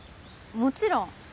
もちろん。